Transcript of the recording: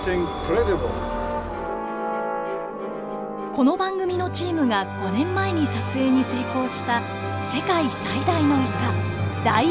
この番組のチームが５年前に撮影に成功した世界最大のイカダイオウイカ。